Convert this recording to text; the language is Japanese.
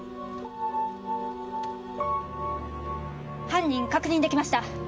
犯人確認できました。